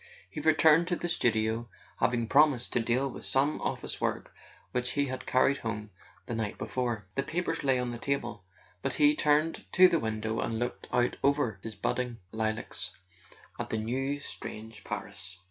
He returned to the studio, having promised to deal with some office work which he had carried home the night before. The papers lay on the table; but he turned to the window and looked out over his budding [ 221 ] A SON AT THE FRONT lilacs at the new strange Paris.